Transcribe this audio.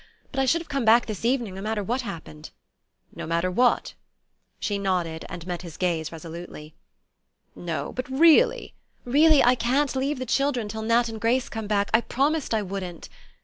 but I should have come back this evening, no matter what happened." "No matter what?" She nodded, and met his gaze resolutely. "No; but really " "Really, I can't leave the children till Nat and Grace come back. I promised I wouldn't."